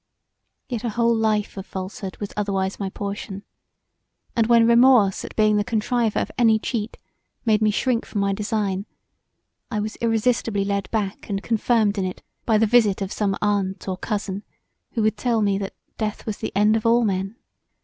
Yet a whole life of falsehood was otherwise my portion: and when remorse at being the contriver of any cheat made me shrink from my design I was irresistably led back and confirmed in it by the visit of some aunt or cousin, who would tell me that death was the end of all men.